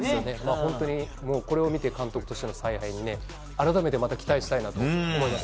本当にこれを見て監督しての采配に改めてまた期待したいなと思います。